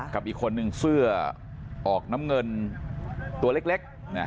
กับอีกคนนึงเสื้อออกน้ำเงินตัวเล็ก